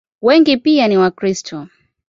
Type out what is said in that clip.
Wengi pia ni Wakristo.